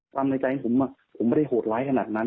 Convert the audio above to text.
ในใจของผมผมไม่ได้โหดร้ายขนาดนั้น